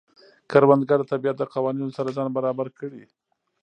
کروندګر د طبیعت د قوانینو سره ځان برابر کړي